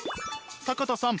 坂田さん